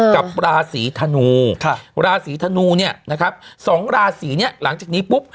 กับราศีธนูราศีธนูเนี่ยนะครับสองราศีเนี่ยหลังจากนี้ปุ๊บ